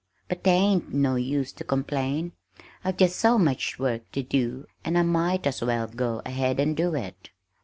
But 'tain't no use to complain, I've just so much work to do and I might as well go ahead and do it."